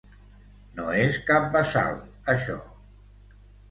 No és cap bassal, això.